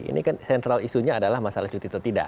ini kan central isunya adalah masalah cuti atau tidak